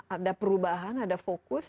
ada perubahan ada fokus